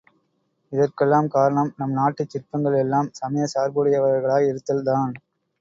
இதற்கெல்லாம் காரணம் நம் நாட்டுச் சிற்பங்கள் எல்லாம் சமயச் சார்புடையவைகளாய் இருத்தல் தான்.